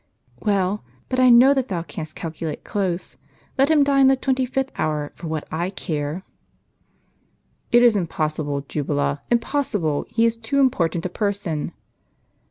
" Well, but I know that thou canst calculate close. Let him die in the twenty fifth hour, for what I care." "It is impossible, Jubala, impossible; he is too important a person."